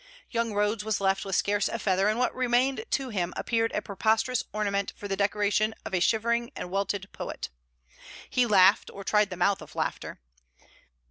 Young Rhodes was left with scarce a feather; and what remained to him appeared a preposterous ornament for the decoration of a shivering and welted poet. He laughed, or tried the mouth of laughter.